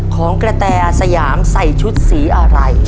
ของกระแตอาสยามใส่ชุดสีอะไร